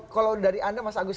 kalau dari anda mas agus